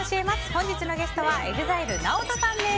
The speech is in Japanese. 本日のゲストはＥＸＩＬＥＮＡＯＴＯさんです。